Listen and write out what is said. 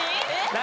何？